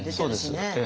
そうです。